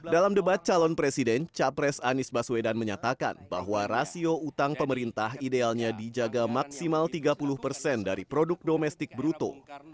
dalam debat calon presiden capres anies baswedan menyatakan bahwa rasio utang pemerintah idealnya dijaga maksimal tiga puluh persen dari produk domestik bruto